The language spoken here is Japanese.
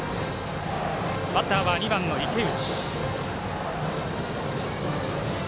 バッターは２番、池内。